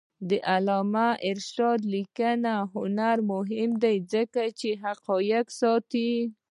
د علامه رشاد لیکنی هنر مهم دی ځکه چې حقایق ساتي.